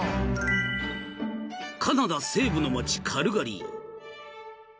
［カナダ西部の街カルガリー］